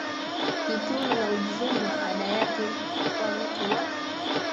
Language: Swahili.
Kitulo na Udzungwa ada yake kwa mtu wa